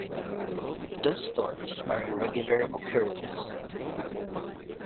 Dust storms are a regular occurrence.